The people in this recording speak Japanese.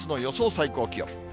最高気温。